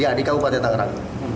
ya di kabupaten tanggerang